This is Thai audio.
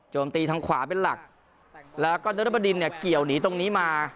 ตีทางขวาเป็นหลักแล้วก็นรบดินเนี่ยเกี่ยวหนีตรงนี้มา